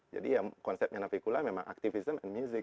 jadi konsepnya davikula memang activism and music